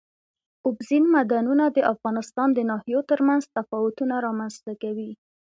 اوبزین معدنونه د افغانستان د ناحیو ترمنځ تفاوتونه رامنځ ته کوي.